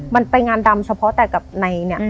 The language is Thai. มันไปงานดำเฉพาะแต่กับในเนี่ย